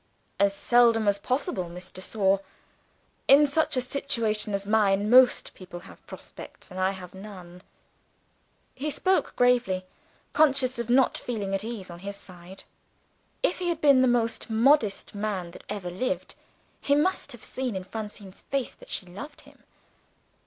"As seldom as possible, Miss de Sor. In such a situation as mine, most people have prospects I have none." He spoke gravely, conscious of not feeling at ease on his side. If he had been the most modest man that ever lived, he must have seen in Francine's face that she loved him.